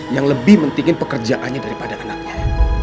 yang lebih pentingin pekerjaannya daripada anaknya